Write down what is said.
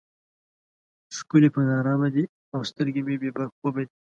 ښکلي پر نارامه دي او سترګې مې بې خوبه دي.